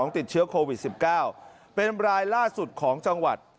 ติดเชื้อโควิด๑๙เป็นรายล่าสุดของจังหวัด